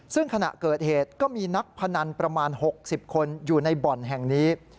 ซึ่งขณะเกิดเหตุก็มีนักพนันประมาณ๖๐คนอยู่ในบ่อนแห่งนี้